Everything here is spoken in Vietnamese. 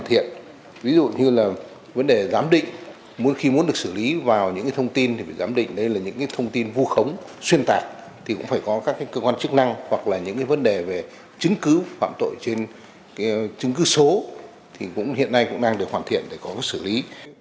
hiện nay cũng đang được hoàn thiện để có xử lý